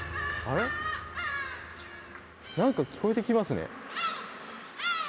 ・何か聞こえてきますね。